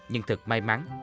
nhưng thật may mắn